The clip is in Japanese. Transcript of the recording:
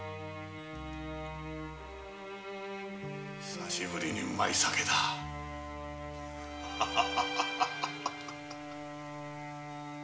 久しぶりにうまい酒だハハハ。